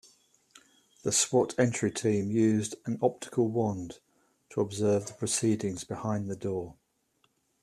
The S.W.A.T. entry team used an optical wand to observe the proceedings behind the door.